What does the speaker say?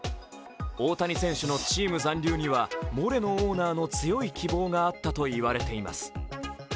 大谷選手のチーム残留にはモレノオーナーの強い希望があったといわれています。